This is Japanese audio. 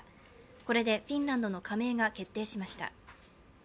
これでフィンランドの加盟が決定しました。